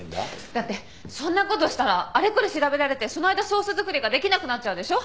だってそんなことしたらあれこれ調べられてその間ソース作りができなくなっちゃうでしょ。